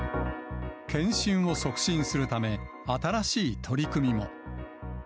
検診を促進するため、新しい取り組みも。